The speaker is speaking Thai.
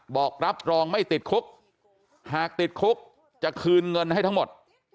บอกรับรองไม่ติดคุกหากติดคุกจะคืนเงินให้ทั้งหมด